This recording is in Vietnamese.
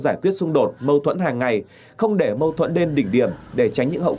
giải quyết xung đột mâu thuẫn hàng ngày không để mâu thuẫn đến đỉnh điểm để tránh những hậu